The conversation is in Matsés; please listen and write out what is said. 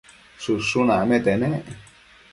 Shëshun acmete nec